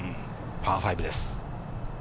パー５です。